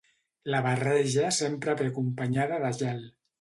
La barreja sempre ve acompanyada de gel.